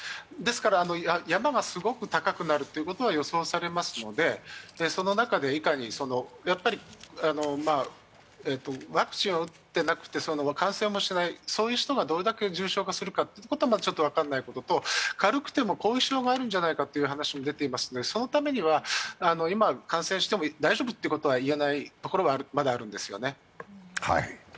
ですから、山がすごく高くなるということは予想されますので、その中でいかに、ワクチンは打っていなくて感染もしていない、そういう人はどれだけ重症化するのかが分からないことと、軽くても後遺症があるんじゃないかという話も出ているのでそのためには、今、感染しても大丈夫ということは